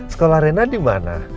sekolah rena di mana